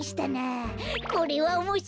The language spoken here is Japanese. これはおもしろいぞ。